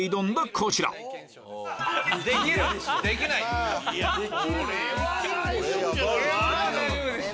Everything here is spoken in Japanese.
こちらこれは大丈夫でしょ。